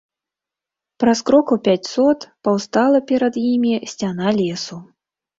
Праз крокаў пяцьсот паўстала перад імі сцяна лесу.